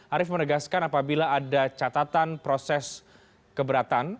arief menegaskan apabila ada catatan proses keberatan